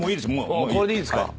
これでいいですか？